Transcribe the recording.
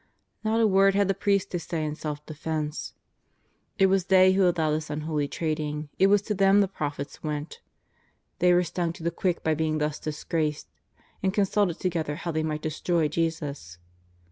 Not ?, word haa the priests to say in self defence. 314 JESUS OF NAZARETH. It was they who allowed this unholy trading, it was to them the profits went. They were stung to the quick by being thus disgraced, and consulted together how they might destroy Jesus.